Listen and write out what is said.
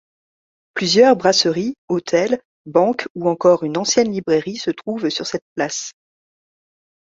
Plusieurs brasseries, hôtels, banques ou encore une ancienne librairie se trouve sur cette place.